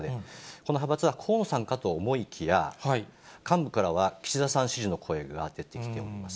その派閥は河野さんかと思いきや、幹部からは、岸田さん支持の声が上がってきております。